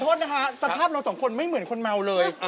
โทษนะคะสภาพเราสองคนไม่เหมือนคนเมาเลย